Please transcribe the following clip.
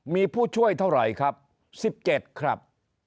มีผู้ช่วยเท่าไหร่ครับ๑๗ครับ